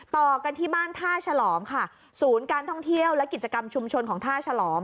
ต่อกันที่บ้านท่าฉลองค่ะศูนย์การท่องเที่ยวและกิจกรรมชุมชนของท่าฉลอม